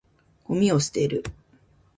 ゴミを捨てる。